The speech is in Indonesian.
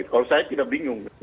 kalau saya tidak bingung